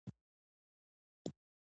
ګرګين وويل: طاقت نه راته!